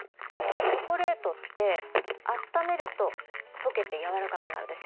チョコレートってあっためるととけて軟らかくなるでしょ。